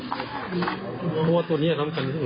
เพราะว่าตัวเนี่ยทำกัน